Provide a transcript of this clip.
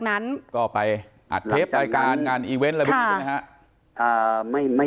อัดเทปรายการงานอีเวนต์อะไรแบบนี้ครับ